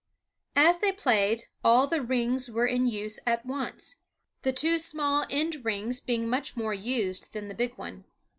As they played, all the rings were in use at once, the two small end rings being much more used than the big one.